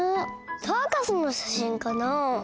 サーカスのしゃしんかなあ？